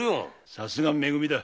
さすがめ組だ。